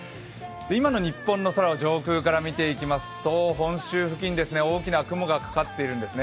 今の日本の空を上空から見ていきますと、本州付近大きな雲がかかっているんですね。